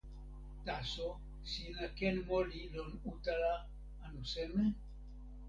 taso, sina ken moli lon utala, anu seme?